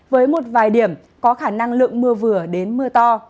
với một vài điểm có khả năng lượng mưa vừa đến mưa to